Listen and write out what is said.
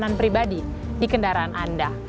kendaraan pribadi di kendaraan anda